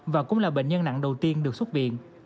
và cũng là bệnh nhân nặng đầu tiên được xuất viện